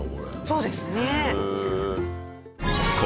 そうですね。